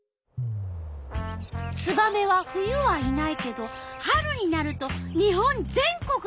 ツバメは冬はいないけど春になると日本全国にすがたをあらわす。